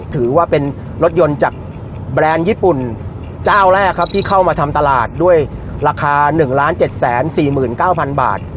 ถือว่าเป็นรถยนต์จากแบรนด์ญี่ปุ่นเจ้าแรกครับที่เข้ามาทำตลาดด้วยราคาหนึ่งล้านเจ็ดแสนสี่หมื่นเก้าพันบาท